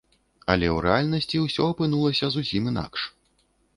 Але ў рэальнасці ўсё апынулася зусім інакш.